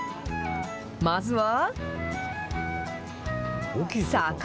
まずは。